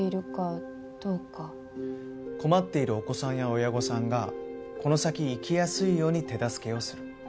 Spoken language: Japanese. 困っているお子さんや親御さんがこの先生きやすいように手助けをする。